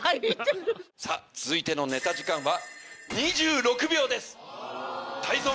続いてのネタ時間は。